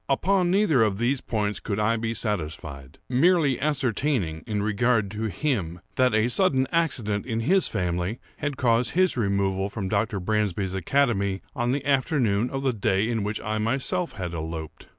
Upon neither of these points could I be satisfied; merely ascertaining, in regard to him, that a sudden accident in his family had caused his removal from Dr. Bransby's academy on the afternoon of the day in which I myself had eloped.